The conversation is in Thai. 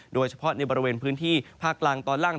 โดยเฉพาะในบริเวณพื้นที่ภาคกลางตอนล่าง